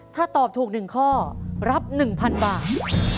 ถ้าตอบถูก๑ข้อรับ๑๐๐๐บาท